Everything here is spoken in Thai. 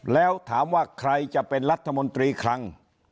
แล้วถามว่าใครจะเป็นรัฐมนตรีคลัง